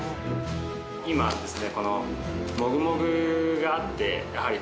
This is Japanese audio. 今ですね。